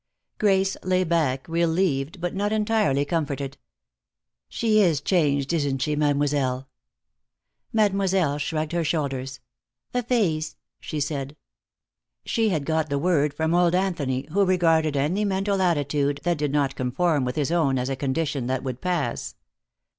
Grace lay back, relieved, but not entirely comforted. "She is changed, isn't she, Mademoiselle?" Mademoiselle shrugged her shoulders. "A phase," she said. She had got the word from old Anthony, who regarded any mental attitude that did not conform with his own as a condition that would pass.